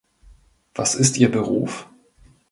Was ist Ihr Beruf?